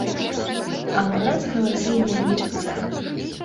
А ў нас галасы не лічацца.